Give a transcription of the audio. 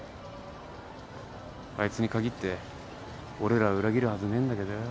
あいつに限って俺らを裏切るはずねえんだけどよ。